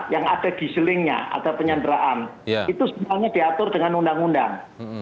yang ada di selingnya ada penyanderaan itu semuanya diatur dengan undang undang